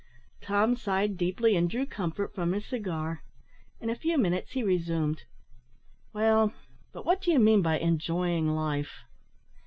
Tom sighed deeply, and drew comfort from his cigar. In a few minutes he resumed, "Well, but what do you mean by enjoying life?"